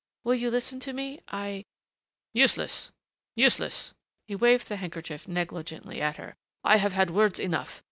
Will you listen to me? I " "Useless, useless." He waved the handkerchief negligently at her. "I have had words enough.